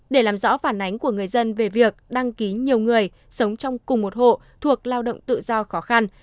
để làm rõ phản ánh của người dân về việc đăng ký nhiều người sống trong cùng một hộ thuộc lao động tự do khó khăn